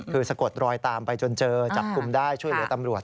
คือสะกดรอยตามไปจนเจอจับกลุ่มได้ช่วยเหลือตำรวจ